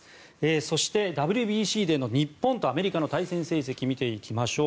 そして、ＷＢＣでの日本とアメリカの対戦成績見ていきましょう。